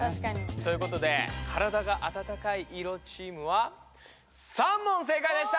ということで体があたたかい色チームは３問正解でした！